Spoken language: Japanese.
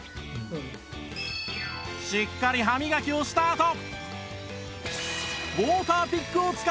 しっかり歯磨きをしたあと